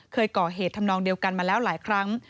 เคยก่อเหตุทำนองเดียวกันมาแล้วหลายครั้ง